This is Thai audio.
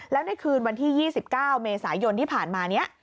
แล้วในคืนวันที่๒๙เมษายนที่ผ่านมานี้